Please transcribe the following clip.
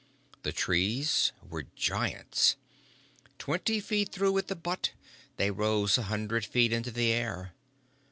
The trees were giants. Twenty feet through at the butt, they rose a hundred feet into the air.